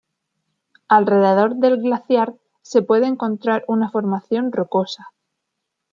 Alrededor del glaciar, se puede encontrar una formación rocosa.